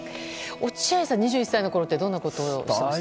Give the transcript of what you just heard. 落合さんは２１歳のころはどんなことしていました？